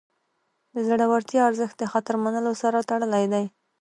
د زړورتیا ارزښت د خطر منلو سره تړلی دی.